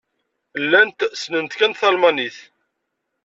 Llant ssnent kan talmanit.